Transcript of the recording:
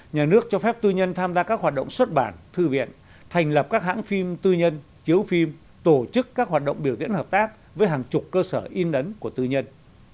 nhà nước cho phép tư nhân tham gia các hoạt động xuất bản thư viện thành lập các hãng phim tư nhân chiếu phim tổ chức các hoạt động biểu diễn hợp tác với hàng chục cơ sở in ấn của tư nhân